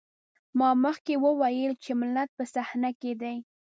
ما مخکې وويل چې ملت په صحنه کې دی.